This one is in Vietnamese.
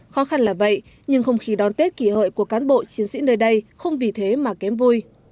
khó khăn là vậy nhưng không khí đón tết kỷ hợi của cán bộ chiến sĩ nơi đây không vì thế mà kém vui